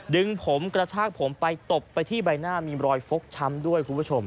ดึงผมกระชากผมใกล้ตบไปที่ใบหน้ามีรอยฟกช้ำด้วย